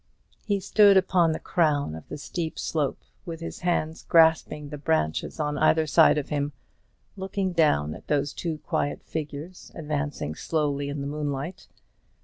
He stood upon the crown of the steep slope, with his hands grasping the branches on each side of him, looking down at those two quiet figures advancing slowly in the moonlight.